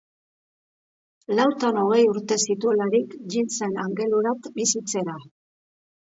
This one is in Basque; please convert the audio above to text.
Lautan hogei urte zituelarik jin zen Angelurat bizitzera.